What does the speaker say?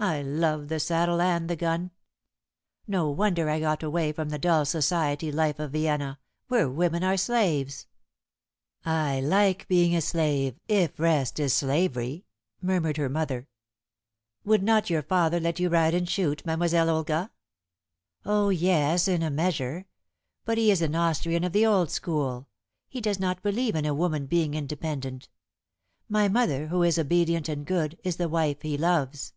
I love the saddle and the gun. No wonder I got away from the dull Society life of Vienna, where women are slaves." "I like being a slave, if rest is slavery," murmured her mother. "Would not your father let you ride and shoot, Mademoiselle Olga?" "Ah yes, in a measure. But he is an Austrian of the old school. He does not believe in a woman being independent. My mother, who is obedient and good, is the wife he loves."